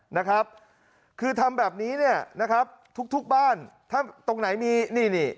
นะครับคือทำแบบนี้เนี่ยนะครับทุกทุกบ้านถ้าตรงไหนมีนี่นี่